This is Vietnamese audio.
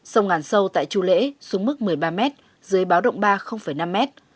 sông ngàn sâu tại chu lễ xuống mức một mươi ba mét dưới báo động ba năm mét